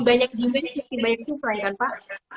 beli banyak juga ini lebih banyak juga kan pak